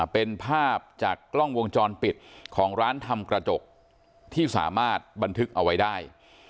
เป็นภาพจากกล้องวงจรปิดของร้านทำกระจกที่สามารถบันทึกเอาไว้ได้